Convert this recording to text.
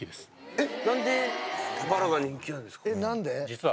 ［えっ⁉］